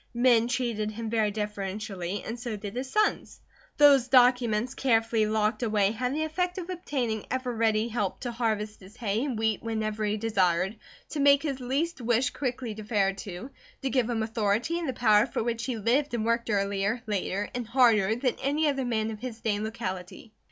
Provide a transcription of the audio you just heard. Men treated him very deferentially, and so did his sons. Those documents carefully locked away had the effect of obtaining ever ready help to harvest his hay and wheat whenever he desired, to make his least wish quickly deferred to, to give him authority and the power for which he lived and worked earlier, later, and harder than any other man of his day and locality.